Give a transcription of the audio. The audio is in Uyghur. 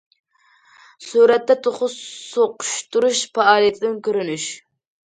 سۈرەتتە: توخۇ سوقۇشتۇرۇش پائالىيىتىدىن كۆرۈنۈش.